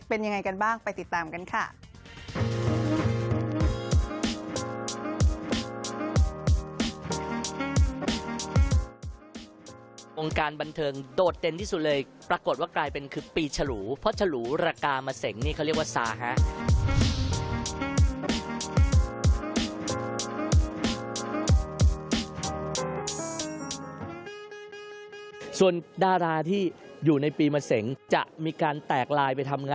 เป็นยังไงกันบ้างไปติดตามกันค่ะ